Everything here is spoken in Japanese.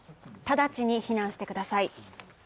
直ちに避難してください。